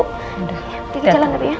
kiki jalan dulu ya